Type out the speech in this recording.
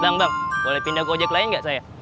bang bang boleh pindah ke ojak lain gak saya